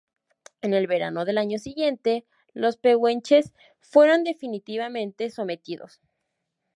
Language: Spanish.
En el verano del año siguiente los pehuenches fueron definitivamente sometidos.